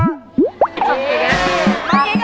ส่งอย่างนี้